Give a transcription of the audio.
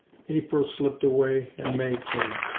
April slipped away and May came.